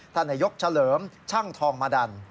ท่านนายกเฉลิมช่างทองมาดัน